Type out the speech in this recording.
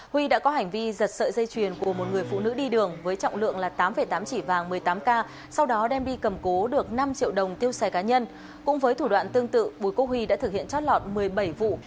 huy đã có hành vi giật sợi dây chuyền của một người phụ nữ đi đường với trọng lượng là tám tám chỉ vàng một mươi tám k sau đó đem đi cầm cố được năm triệu đồng tiêu xài cá nhân cũng với thủ đoạn tương tự bùi quốc huy đã thực hiện trót lọt một mươi bảy vụ